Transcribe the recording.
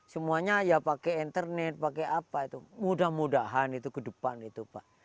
semuanya ya pakai internet pakai apa itu mudah mudahan itu ke depan itu pak